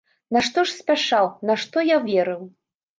Нашто ж спяшаў, нашто я верыў?